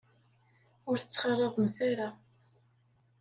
Ur t-ttxalaḍemt ara.